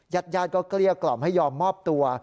ญาติญาติก็เกลี้ยกล่อมให้ยอมมอบตัว